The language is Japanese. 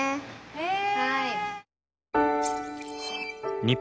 へえ。